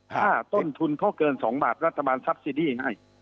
ถ้าต้นทุนเขาเกิน๒บาทรัฐบาลซับซีดี้ให้